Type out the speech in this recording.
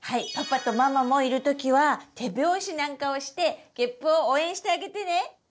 パパとママもいる時は手拍子なんかをしてげっぷを応援してあげてね！